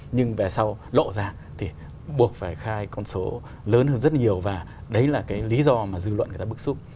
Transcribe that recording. nhưng về sau lộ ra thì buộc phải khai con số lớn hơn rất nhiều và đấy là cái lý do mà dư luận người ta bức xúc